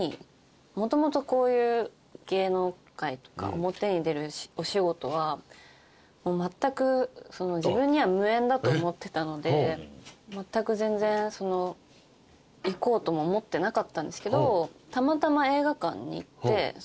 もともとこういう芸能界とか表に出るお仕事はもうまったく自分には無縁だと思ってたのでまったく全然行こうとも思ってなかったんですけど。